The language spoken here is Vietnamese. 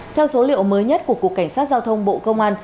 theo số liệu mới nhất của cục cảnh sát giao thông bộ công an